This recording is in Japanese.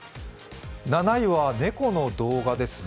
７位は猫の動画ですね。